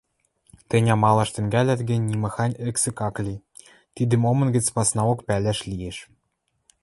— Тӹнь амалаш тӹнгӓлӓт гӹнь, нимахань эксӹк ак ли — тидӹм омын гӹц паснаок пӓлӓш лиэш.